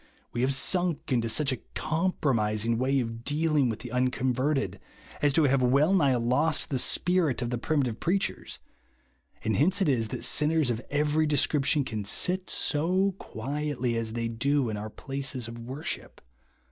We have sunk into such a compromising way of dealing with the unconverted, as to have well nig h lost the spirit of the primitive preachers; 12 i BELIEVE JUST NOW. and hence it is that sinners of every de scription can sit so quietly as they do in our places of worship.